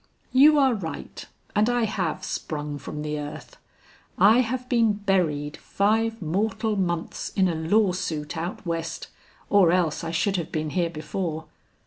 "You are right, and I have sprung from the earth. I have been buried five mortal months in a law suit out west, or else I should have been here before.